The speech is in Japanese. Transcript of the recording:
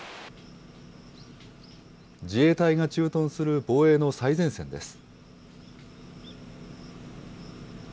自衛隊が駐屯する防衛の最前線です。